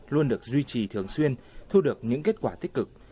luôn được duy trì thường xuyên thu được những kết quả tích cực